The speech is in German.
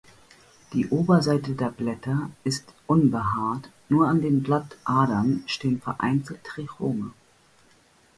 Die Oberseite der Blätter ist unbehaart, nur an den Blattadern stehen vereinzelt Trichome.